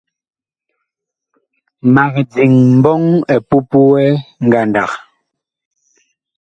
Mag diŋ mbɔŋ epupuɛ ngandag.